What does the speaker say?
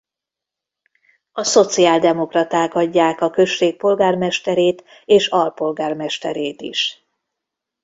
A szociáldemokraták adják a község polgármesterét és alpolgármesterét is.